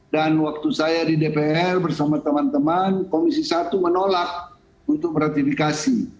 dan waktu saya di dpr bersama teman teman komisi satu menolak untuk beratifikasi